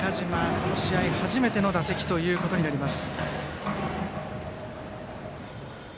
この試合初めての打席になります。